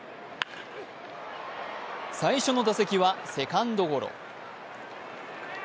最初の打席はセカンドゴロ。